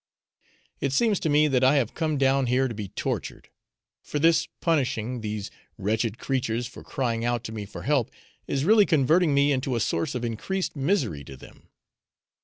It seems to me that I have come down here to be tortured, for this punishing these wretched creatures for crying out to me for help is really converting me into a source of increased misery to them.